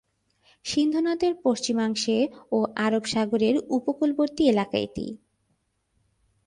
সিন্ধু নদের পশ্চিমাংশে ও আরব সাগরের উপকূলবর্তী এলাকা এটি।